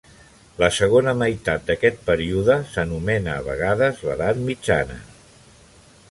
La segona meitat d'aquest període s'anomena a vegades l'edat mitjana.